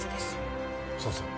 そうそう。